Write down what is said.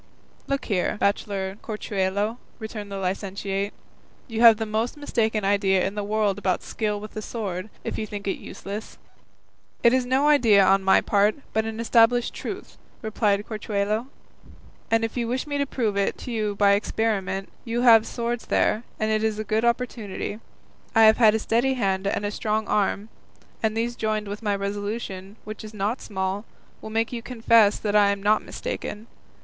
"Look here, bachelor Corchuelo," returned the licentiate, "you have the most mistaken idea in the world about skill with the sword, if you think it useless." "It is no idea on my part, but an established truth," replied Corchuelo; "and if you wish me to prove it to you by experiment, you have swords there, and it is a good opportunity; I have a steady hand and a strong arm, and these joined with my resolution, which is not small, will make you confess that I am not mistaken.